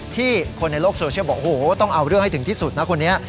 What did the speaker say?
คนในโลกโซเชียลบอกโอ้โหต้องเอาเรื่องให้ถึงที่สุดนะคนนี้